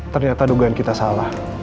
ternyata dugaan kita salah